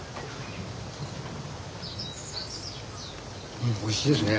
うんおいしいですね。